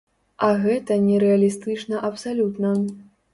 А гэта нерэалістычна абсалютна.